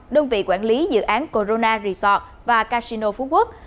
đơn vị quản lý dự án corona resort và casino phú quốc